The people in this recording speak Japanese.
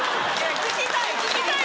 聞きたい！